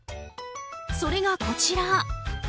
それが、こちら。